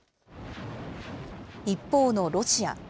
一方のロシア。